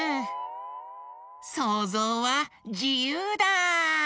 そうぞうはじゆうだ！